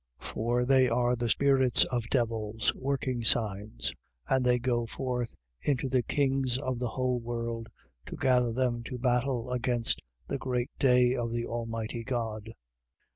16:14. For they are the spirits of devils, working signs: and they go forth unto the kings of the whole earth, to gather them to battle against the great day of the Almighty God.